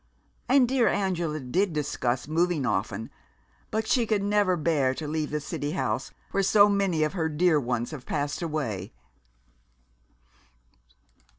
And dear Angela did discuss moving often, but she could never bear to leave the city house, where so many of her dear ones have passed away."